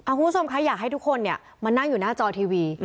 คุณผู้ชมคะอยากให้ทุกคนมานั่งอยู่หน้าจอทีวี